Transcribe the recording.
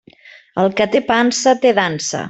El que té pansa, té dansa.